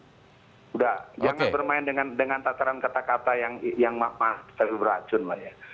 sudah jangan bermain dengan tataran kata kata yang terlalu beracun lah ya